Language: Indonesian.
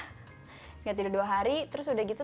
enggak tidur dua hari terus udah gitu